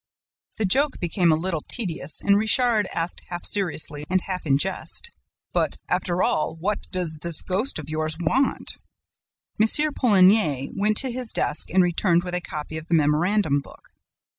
"The joke became a little tedious; and Richard asked half seriously and half in jest: "'But, after all, what does this ghost of yours want?' "M. Poligny went to his desk and returned with a copy of the memorandum book.